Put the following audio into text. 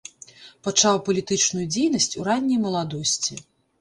Пачаў палітычную дзейнасць у ранняй маладосці.